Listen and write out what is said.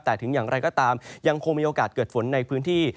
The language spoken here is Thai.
แต่ถึงอย่างไรก็ตามยังคงมีโอกาสเกิดฝนในพื้นที่